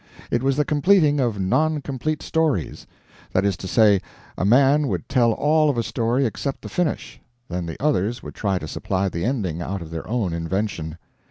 It was the completing of non complete stories. That is to say, a man would tell all of a story except the finish, then the others would try to supply the ending out of their own invention.